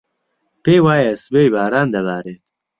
پێی وایە سبەی باران دەبارێت.